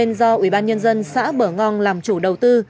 nhân dân xã bở ngong làm chủ đầu tư